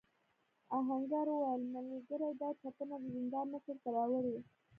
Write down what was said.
آهنګر وویل ملګري دا چپنه د زندان مشر ته راوړې.